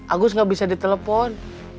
agus gak bisa ditelepon